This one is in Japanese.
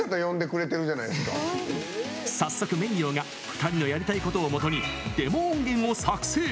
早速、ｍｅｉｙｏが２人のやりたいことをもとにデモ音源を作成！